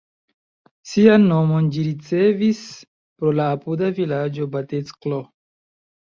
Sian nomon ĝi ricevis pro la apuda vilaĝo Batecko.